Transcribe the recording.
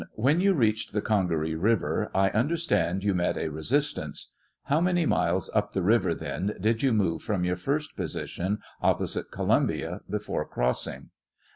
When you reached the Oongaree river, I under stand, you met a resistance ; how many miles up the river then did you move from your first position oppo site Columbia before crossing?